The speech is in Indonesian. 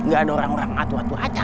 gak ada orang orang atu atuh aja